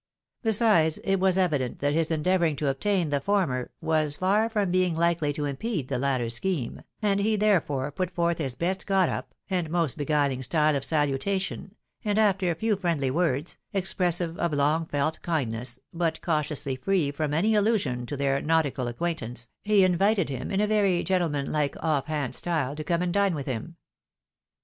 Besides, it was evident that his endeavouring to obtain the former, was far from being likely to impede the latter scheme, and he, therefore, put forth his best got up, and most beguiling style of saluta tion, and after a few friendly words, expressive of long felt kindness, but cautiously free from any allusion to their nautical acquaintance, he invited him in a very gentleman like off hand style to come and dine with him.